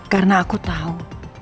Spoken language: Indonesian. karena aku tahu